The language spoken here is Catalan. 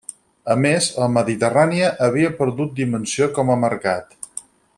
A més, la Mediterrània havia perdut dimensió com a mercat.